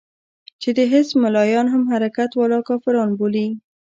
چې د حزب ملايان هم حرکت والا کافران بولي.